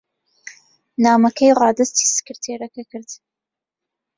نامەکەی ڕادەستی سکرتێرەکە کرد.